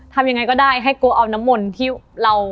ทำยังไงก็ได้ให้โกเอาน้ำมนต์ที่เรา